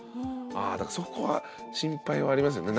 ああだからそこは心配はありますよね。